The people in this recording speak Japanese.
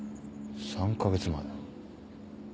３か月前。